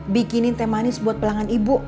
bikinin teh manis buat pelanggan ibu